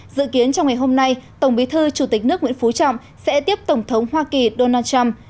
dự kiến trong ngày hôm nay tổng bí thư chủ tịch nước nguyễn phú trọng sẽ tiếp tổng thống hoa kỳ donald trump